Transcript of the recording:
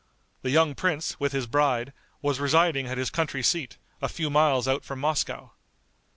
The young prince, with his bride, was residing at his country seat, a few miles out from Moscow.